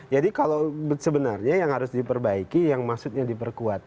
jadi kalau sebenarnya yang harus diperbaiki yang maksudnya diperkuat